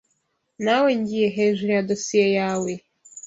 Nawegiye hejuru ya dosiye yawe .